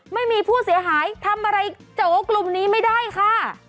ไม่มีผู้เสียหายทำอะไรโจกลุ่มนี้ไม่ได้ค่ะ